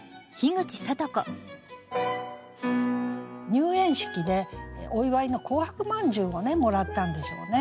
入園式でお祝いの紅白まんじゅうをもらったんでしょうね。